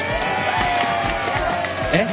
えっ？